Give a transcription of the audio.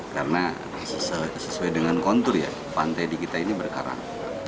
karena sesuai dengan kontur ya pantai di kita ini berkarang